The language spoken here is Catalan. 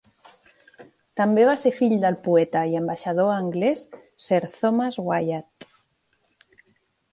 També va ser fill del poeta i ambaixador anglès Sir Thomas Wyatt.